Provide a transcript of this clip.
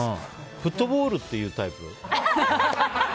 フットボールって言うタイプ？